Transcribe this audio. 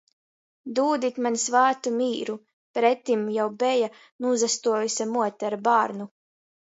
Dūdit maņ svātu mīru. Pretim jau beja nūsastuojuse muote ar bārnu.